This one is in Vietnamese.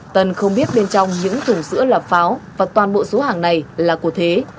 tân không biết bên trong những thủng sữa lập pháo và toàn bộ số hàng này là của thế